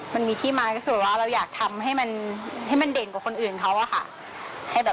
มันมีที่มาก็คือว่าเราอยากทำให้มันให้มันเด่นกว่าคนอื่นเขาอะค่ะ